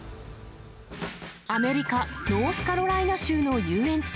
アメリカ・ノースカロライナ州の遊園地。